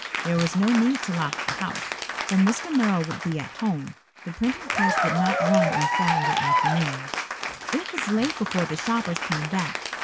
There was no need to lock the house, for Mr. Merrill would be at home. The printing press did not run on Saturday afternoons. It was late before the shoppers came back.